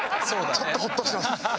ちょっとホッとしてます。